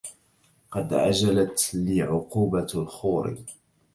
قد عجلت لي عقوبة الخور